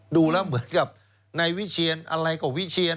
ดูแล้วเหมือนกับนายวิเชียนอะไรก็วิเชียน